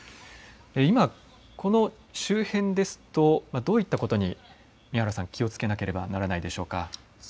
今、この周辺ですとどういったことに宮原さん気をつけなければならないでしょうか。